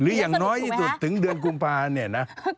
หรือยังน้อยถึงเดือนกลุ่มภาพเนี่ยนะ